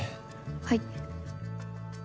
はい。